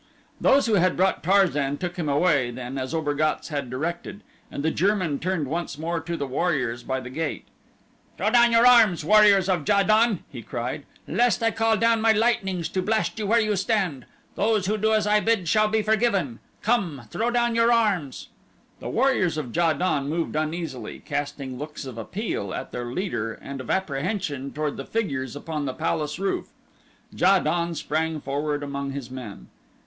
Those who had brought Tarzan took him away then as Obergatz had directed, and the German turned once more to the warriors by the gate. "Throw down your arms, warriors of Ja don," he cried, "lest I call down my lightnings to blast you where you stand. Those who do as I bid shall be forgiven. Come! Throw down your arms." The warriors of Ja don moved uneasily, casting looks of appeal at their leader and of apprehension toward the figures upon the palace roof. Ja don sprang forward among his men.